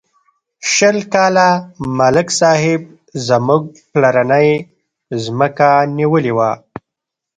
شل کاله ملک صاحب زموږ پلرنۍ ځمکه نیولې وه.